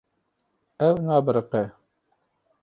Ew nabiriqe.